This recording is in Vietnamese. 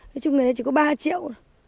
nói chung người đấy chỉ có ba triệu